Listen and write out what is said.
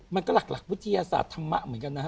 มันก็หลักวิทยาศาสตร์ธรรมะเหมือนกันนะฮะ